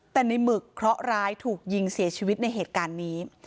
แต่ในหมึกเคราะหร้ายถูกยิงเสียชีวิตในเหตุการณ์นี้